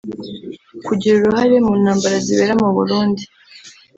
kugira uruhare mu ntambara zibera mu Burundi